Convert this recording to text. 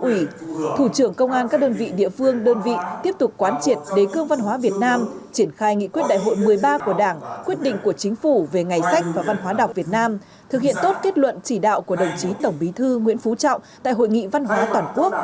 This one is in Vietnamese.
thứ trưởng trần quốc tỏ yêu cầu các cấp ủy thủ trưởng công an các đơn vị địa phương đơn vị tiếp tục quán triển đế cương văn hóa việt nam triển khai nghị quyết đại hội một mươi ba của đảng quyết định của chính phủ về ngày sách và văn hóa đọc việt nam thực hiện tốt kết luận chỉ đạo của đồng chí tổng bí thư nguyễn phú trọng tại hội nghị văn hóa toàn quốc